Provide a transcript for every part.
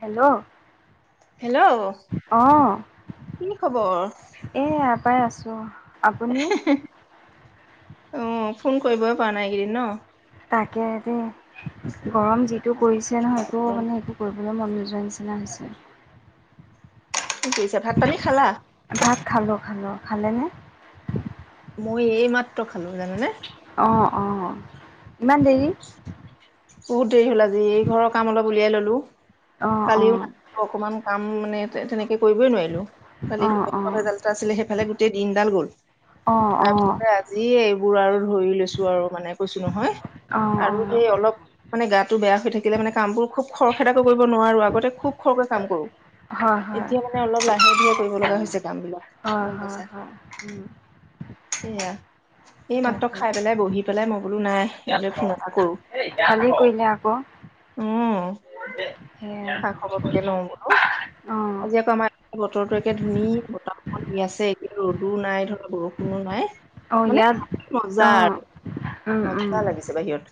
Hello hello অঁ কি খবৰ? এইয়া পাই আছোঁ। [unintelligible] আপুনি অঁ ফোন কৰিবই পৰা নাই এই কেইদিন ন তাকে দেই। গৰম যিটো পৰিছে নহয় একো মানে একো কৰিবলে মন নোযোৱা যোৱা নিছিনা হৈছে। কি কৰিছা, ভাত- পানী খালা? ভাত খালোঁ খালোঁ খালেনে? মই এই মাত্ৰ খালো, জানানে। অহ, - অহ, ইমান দেৰি? বহুত দেৰি হ'ল আজি, এই ঘৰৰ কাম অলপ উলিয়াই ল'লো। অঁ কালিও অঁ না অকমান, কাম মানে তেনেকে, তাকেই কৰিবই নোৱাৰিলো কালি অঁ অঁ এনেকুৱা ভেজাল এটা আছিলে সেইফালে গোটেই দিনডাল গ'ল। অঁ তাৰপিছতে আজি এইবোৰ আৰু ধৰি লৈছো আৰু মানে কৈছো নহয় অঁ অঁ অঁ আৰু সেই অলপ, মানে গাটো বেয়া হৈ থাকিলে মানে কামবোৰ, খুব খৰ -খেদাকৈ কৰিব নোৱাৰো। আগতে খুব খৰকে কাম কৰো, হয় এতিয়া মানে অলপ লাহে ধিৰে কৰো। কৰিব লগা হৈছে। কাম বিলাক অহ, হয়- হয়, উম। সেয়া, এই মাত্ৰ তাকে খাই পেলাই বহি পেলাই মই বোলো নাই এওঁলে ফোন এটা কৰো, ভালেই কৰিলে আকৌ অ', সেয়া খা -খবৰটোকে লওঁ বোলো, অঁ আজি আকৌ আমাৰ বতৰটো একে ধুনীয়া বতাহ খালী আছে এতিয়া ৰ'দো নাই ধৰা বৰষুণো নাই। অ, মানে ইয়াত মজা আৰু অ' উম'- মজা উম'। লাগিছে বাহিৰত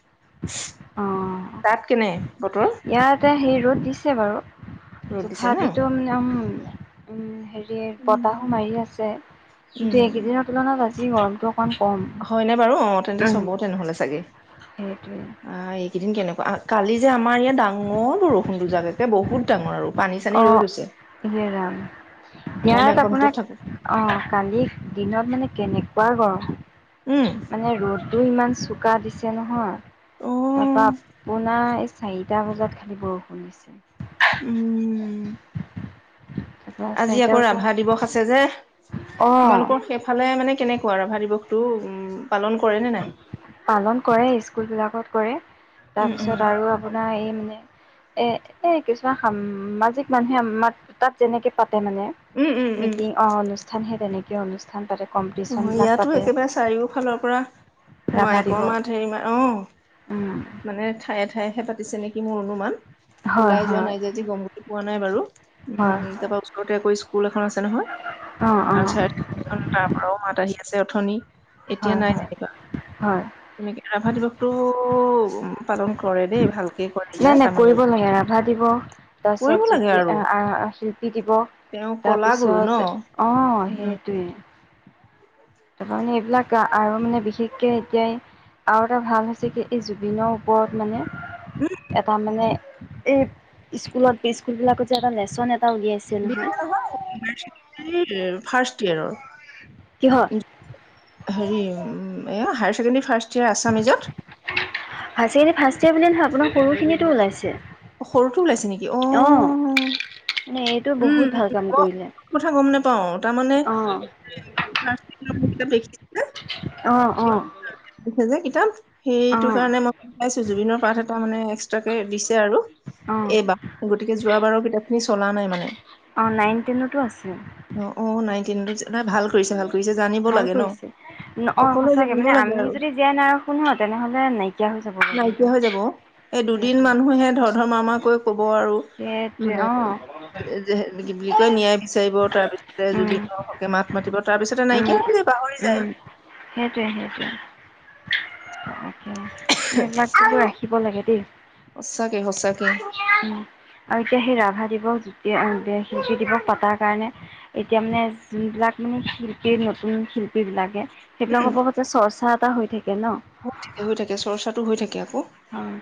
অ, তাত কেনে বতৰ ইয়াত হেৰি ৰ'দ দিছে বাৰু। ৰ'দ দিছে ন তথাপিটো মানে, উম -উম হেৰি। দিয়ে উম বতাহো মাৰি আছে। উম গোটেই এইকেইদিনৰ তুলনাত আছে। যি গৰম টোক, হয়নে বাৰু অ, তেন্তে চবতে নহ'লে চাগে, সেইটোৱে আহ, এইকেইদিন কেনেকুৱা কালি যে আমাৰ ইয়াত ডাঙ, বৰ বৰষুণ দু- জাক একে বহুত ডাঙৰ আৰু। পানী চানী ৰৈ অ', গৈছে ইয়ে ৰাম। মই ইয়াত বেংকৰ ভিতৰত আপোনাক থাকো অ ', কালি দিনত মানে, কেনেকুৱা গৰম, উম মানে ৰ'দটো ইমান, চোকা দিছে নহয় তাৰাপৰা অ আপোনাৰ, চাৰিটা বজাত খালী বৰষুণ দিছে উম তাৰপা আজি চাৰিটা আকৌ বজাত ৰাভা দিৱস আছে যে অ' তোমালোকৰ সেইফালে মানে কেনেকুৱা ৰাভা দিৱস তটো পালন কৰে স্কুল বিলাকত কৰে তাৰ উম উম পিছত আৰু আপোনাৰ এই এ এ কিছুমান সামাজিক মানুহে আমাৰ তাত যেনেকে প মানে উম উম উম মিটিং অ অনুষ্ঠান সে তেনেকে কিয় অনুষ্ঠান পাৰে ইয়াতো একেবাৰে চাৰিওফালৰ পৰা ৰাভা মাইকৰ দিৱস মাত হেৰি মা অ উম মানে ঠায়ে ঠায়েহে পা দিছে নেকি মোৰ অনুমান হয় ওলাই যোৱা হয় নাই যেদি গমগট পোৱা নাই বাৰু হয় উম তাৰ হয় পৰাা ওচৰতে আৈ স্কুল এখন আছে নহয় অ অ চখন তাৰ পৰাও মাত আহি আছে আছে অথনি এতিয়া হয় নাই হয় যেনিবা হয় তেনেকে হাভা দিৱসতটো পালন কৰে দেই ভাল নাই নাই কৰিব লাগে ৰাভা দিব কৰিব তাৰপিছত লাগে জুতি আৰু আহ শিল্পী দিব তেওঁ কলা গুৰু ন তাৰপিছত আহ উম, সেইটোৱে তাৰপ মানে এইবিলাক আৰু মানে বিশেষকে এতিয়া আৰু এটা ভাল হৈছে কি এই জুবিনৰ ওপৰত মানে এটাৰ মানে এই স্কুলত স্কুল বিলাকত যে এটা লেচন এ দে হ ফাৰ্ষ্ট ইয়েৰৰ কিহৰ হেৰি উ এ হ চে ফ্ষষ্ট ভবুলি নহয় আপোনাৰ সৰুখিনিতো ওলাইছে অ সৰুটো ওলাইছে নেকি অ অঁ মানে এইটো বহুত উম ভাল কাম উ অ কৰিলে কথা গম নোপাও তাৰমানে অঁ কিতাপ দেখি অঁ অঁ যে কিতাপ। সেইটো অঁ কাৰণে মই পাইছো জুবিনৰ। পাঠ এটা মানে এক্সট্ৰাক কে। আৰু অঁ এইবাৰ গতিকে যোৱাবাৰৰ কিতাপ খিনি। চলা নাই মানে। অ নাইন টেনতো আছে। অ অ নাইনটিন ভাল কৰিছে ভাল কৰিছে জানিব ভাল লাগে ন কৰিছে অ সকলোৱে সঁচাকে জানিব মানে লাগে আমি আৰু যদি জীয়াই নাই শুনো তেনেহলে নাইকিয়া হৈ যাব বাৰু কিন্তু নাইকিয়া হৈ যাব এই দুদিন সেইটয়ে মানুহে ধৰ ধৰ মাৰ মাৰ কৈ কব আৰু সেইটয়ে মানে অ। বুলি কয় নিয়ায় বিচাৰিব তাৰ পিছতে উম, জুবিনৰ হকে মাত। মাতিব তাৰ পিছতে উম, নাইকিয়া দ পাহৰি যায়। উম, অ [unintelligible] এইবিলাক দিলো ৰাখিব লাগে। সঁচাকে সঁচাকে উহু উ আৰু এতিয়া সেই ৰাভা দিৱস। শিশু দিৱস পতাৰ কাৰণে এতিয়া মানে যোনবিলাক। মানে শিল্পীৰ নতুন শিল্পীবিলাকে। সেইবিলাক উম হব সতে চৰ্চা। হৈ থাকে ন। হৈ থাকে হৈ থাকে চৰ্চাটো হৈ থাকে আকৌ। উম,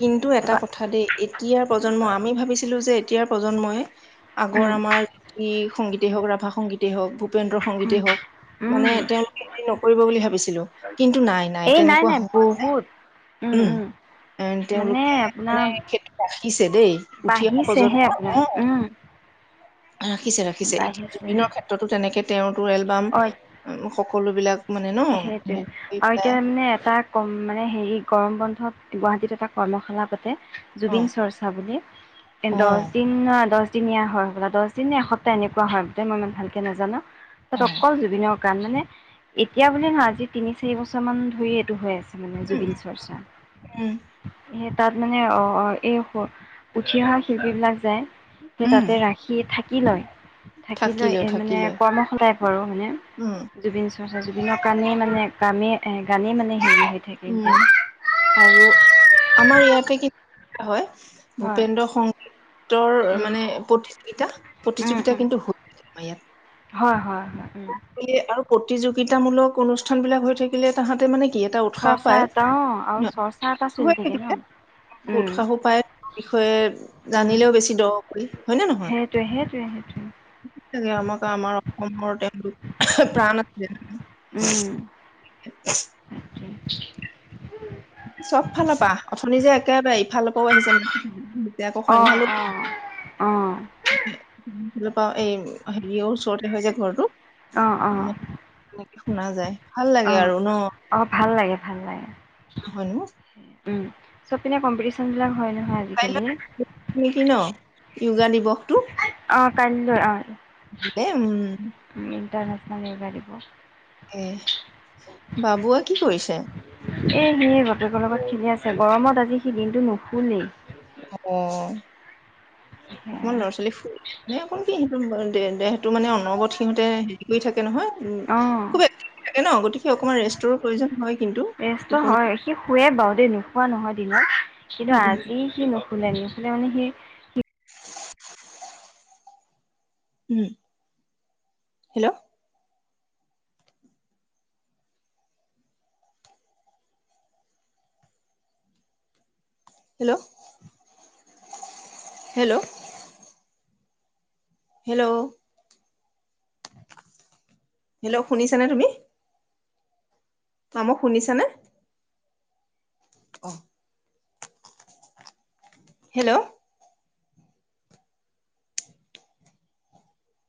কিন্তু এটা তাৰপা কথা দেই এতিয়াৰ প্ৰজন্ম আমি ভাবিছিলো যে। এতিয়াৰ প্ৰজন্মই। আগৰ উম, আমাৰ ই সংগীতে হওক। ভা সংগীতে হওক। উপে্ৰ সংগীতে উম, হওক মানে উম। তেওঁলোকে হেৰি নকৰিব বুলি ভাবিছিলো কিন্তু নাই নাই। এই নাই তেনেকুৱা নাই হোৱা বহুত। উম মানে তেওঁলোকে আপোনাৰ মানে সেইটো ৰাখিছে দেই উঠি অহা বাঢ়িছেহে প্ৰজন্ম আপোনাৰ অ। উম, ৰাখিছে ৰাখিছে এতিয়া বাঢ়িছেহে। জুবিনৰ ক্ষেত্ৰতো তেনেকে তেওঁৰতো এলবাম অ সকলো বিলাক। মানে ন সেইটোৱে হেৰি আৰু পেলাই এতিয়া মানে এটা কম মানে হেৰি গৰম বন্ধত। গুৱাহাটীত এটা কৰ্মশালা পাতে। অ জুবিন চৰ্চা বুলি এ অ দহ দিন দহ। তিনীয়া হয় হবলে দহ দিন এপ্তাহ এনেকুৱা হয় বোলে মই ইমান ভালকৈ নাজানো। অ ৰকৰ জুবিনক। কাৰণ মানে। এতিয়া বুলি নহয় আজি তিনি চাৰি বছৰমান ধৰি এইটো হৈ আছে। মানে উম উম জুবিন চৰ্চা। উম সেই তাত মানে অ অ এই উঠি অহা শিল্পী বিলাক যায়। মই উম তাতে ৰাখি থাকে। কি লয় থাকি লয় এই মানে কৰ্মশলাই কৰো মানে উম জুবিন চৰ্চা। জুবিনৰ কাৰণে মানে কামে এ গানেই মানে হেৰি হৈ থাকে কিন্তু উম আৰু আমাৰ ইয়াতে কি হয় ভূপেন্দ্ৰ সংগীতৰ উম মানে প্ৰতিযোগিতা উম প্ৰতিযোগিতা উম কিন্তু হয় আমাৰ ইয়াত হয় হয় হয় উম [unintelligible] প্ৰতিযোগিতামূলক অনুষ্ঠান বিলাক হৈ থাকিলে তাহাঁতে মানে কি এটা উৎসাহ চৰ্চা পায় এটা অ আৰু চৰ্চা এটা চলি হয়, থাকে ন তেনেকে উম উৎসাহো পায় বিষয়ে উম জানিলেও বেছি দ পাৰি হয় নে নহয়! সেইটোৱে সেইটোৱে সেইটোৱে আমাক আমাৰ অসমৰ প্ৰাণ আছিলে উম [unintelligible] [unintelligible] [unintelligible] চব ফালৰ পৰা অথনি যে একেবাৰে ইফালৰ পৰাও আহিছে মানে এতিয়া আকৌ অ সন্ধিয়ালো অ অ ইফালৰ পা এই হেৰিও ওচৰতে হৈ যে ঘৰটো। অৱ অৱ এনেকে শুনা যায় ভাল লাগে অৱ আৰু ন অৱ ভাল লাগে ভাল লাগে নহয়নো উম চপ কম্পিটিচন বিলাক হয় ন। [unintelligible] য়োগা দিৱসটো। অৱ কাইলৈ অৱ এ উম ইণ্টাৰনেশ্যনেল য়োগা দিবস এহ বাবুৱে কি কৰিছে? এ সি বাপেকৰ লগত খেলি আছে গৰমত আজি সি দিনটো নুশুলেই। অ অকমান ল'ৰা-ছোৱালী ফুৰি মানে অকণ কি [unintelligible] তো মানে, অনবৰত সিহঁতে হেৰি কৰি থাকে কে নহয়, উম অ', খুবে ন গতিকে অকমান ৰেষ্টৰো প্ৰয়োজন হয় কিন্তু, ৰেষ্ট টোপনি হয় সি শুৱে বাৰু দেই [unintelligible] কিন্তু উম উম আজি কি নুশুলে মানে সেই [unintelligible] [unintelligible] উম hello! Hello, hello! Hello! Hello, শুনিছানে তুমি? [unintelligible] শুনিছানে? অঁ। হেল্ল'!